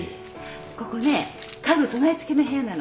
ここね家具備え付けの部屋なの。